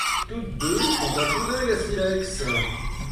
Toutes deux sont en poudingue à silex.